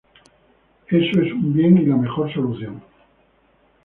Eso es un bien y la mejor solución.